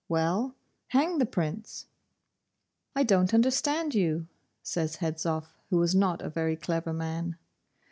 Well, hang the Prince.' 'I don't understand you,' says Hedzoff, who was not a very clever man.